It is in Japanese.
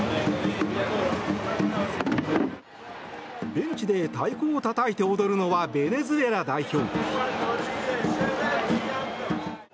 ベンチで太鼓をたたいて踊るのはベネズエラ代表。